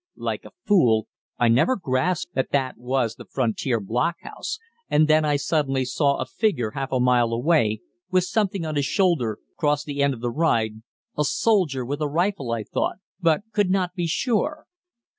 Like a fool, I never grasped that that was the frontier blockhouse and then I suddenly saw a figure half a mile away, with something on his shoulder, cross the end of the ride a soldier with a rifle, I thought, but could not be sure.